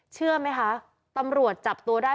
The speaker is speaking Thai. เชื่อไหมคะตำรวจจับตัวได้